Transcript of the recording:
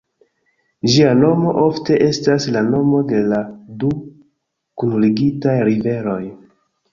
Ĝia nomo ofte estas la nomo de la du kunligitaj riveroj.